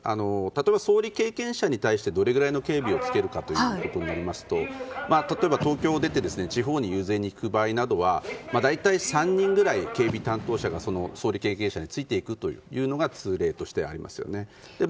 例えば、総理経験者に対してどれぐらいの警備をつけるかとなりますと例えば東京を出て地方に遊説に行く場合などは大体３人ぐらい警備担当者が総理経験者についていくのが通例としてありますよね。